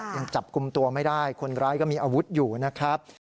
ยังจับกลุ่มตัวไม่ได้คนร้ายก็มีอาวุธอยู่นะครับ